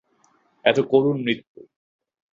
এত করুণ মৃত্যু।